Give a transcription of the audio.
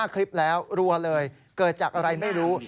คลิปแล้วรัวเลยเกิดจากอะไรไม่รู้